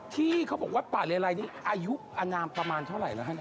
ที่เขาบอกวัดป่าเรียนรายนี้อายุอันนามประมาณเท่าไหร่หรือครับ